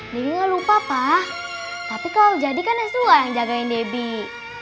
debbie gak lupa pa tapi kalau jadi kan neswa yang jagain debbie